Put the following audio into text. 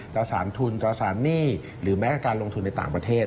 ต่อสารทุนต่อสารหนี้หรือแม้การลงทุนในต่างประเทศ